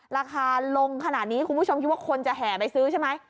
ราคาลงขนาดนี้คุณผู้ชมคิดว่าคนจะแห่ไปซื้อใช่ไหม